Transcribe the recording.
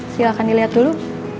silahkan dilihat dulu